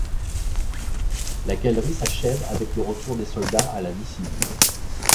La galerie s’achève avec le retour des soldats à la vie civile.